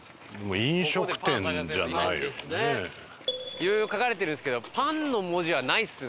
いろいろ書かれてるんですけど「パン」の文字はないですね。